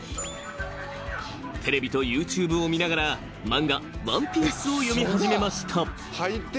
［テレビとＹｏｕＴｕｂｅを見ながら漫画『ＯＮＥＰＩＥＣＥ』を読み始めました］